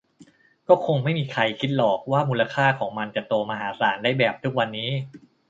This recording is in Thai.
ก็คงไม่มีใครคิดหรอกว่ามูลค่าของมันจะโตมหาศาลได้แบบทุกวันนี้